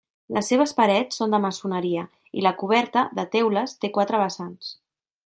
Les seves parets són de maçoneria i la coberta, de teules, té quatre vessants.